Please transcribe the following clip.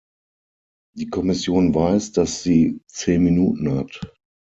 Die Kommission weiß, dass sie zehn Minuten hat.